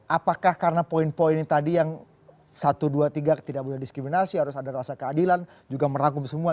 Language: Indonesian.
apakah karena poin poin tadi yang satu dua tiga tidak boleh diskriminasi harus ada rasa keadilan juga merangkum semua